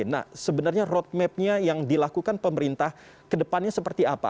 nah sebenarnya roadmapnya yang dilakukan pemerintah kedepannya seperti apa